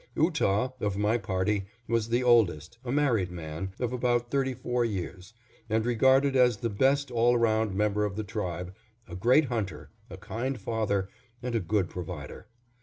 Ootah, of my party, was the oldest, a married man, of about thirty four years, and regarded as the best all around member of the tribe, a great hunter, a kind father, and a good provider.